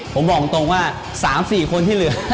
ผมบอกตรงว่า๓๔คนที่เหลือ